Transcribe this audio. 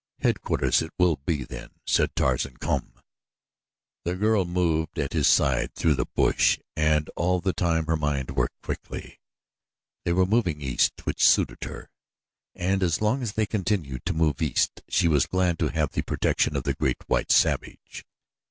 "Headquarters it will be then," said Tarzan. "Come!" The girl moved at his side through the bush and all the time her mind worked quickly. They were moving east, which suited her, and as long as they continued to move east she was glad to have the protection of the great, white savage.